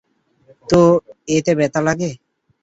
তো, এতে ব্যথা লাগে?